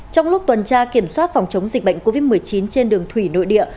trong lúc tuần tra kiểm soát phòng chống dịch bệnh covid một mươi chín trên đường thủy nội địa